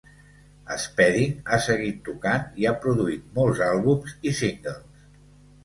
Spedding ha seguit tocant i ha produït molts àlbums i singles.